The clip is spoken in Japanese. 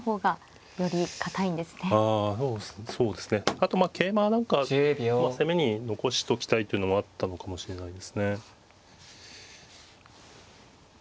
あとまあ桂馬は何か攻めに残しときたいというのもあったのかもしれないですね。